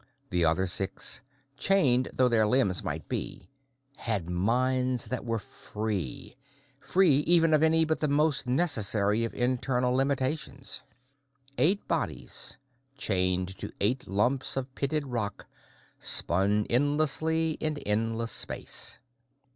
The other six, chained though their limbs might be, had minds that were free free, even, of any but the most necessary of internal limitations. Eight bodies, chained to eight lumps of pitted rock, spun endlessly in endless space.